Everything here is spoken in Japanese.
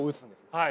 はい。